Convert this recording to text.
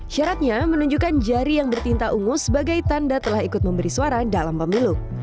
syaratnya menunjukkan jari yang bertinta ungus sebagai tanda telah ikut memberi suara dalam pemilu